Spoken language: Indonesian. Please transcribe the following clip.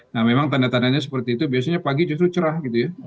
nah memang tanda tandanya seperti itu biasanya pagi justru cerah gitu ya